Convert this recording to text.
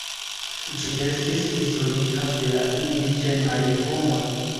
Ĝi estis izolita de la indiĝenaj homoj.